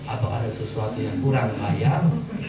atau ada sesuatu yang kurang layak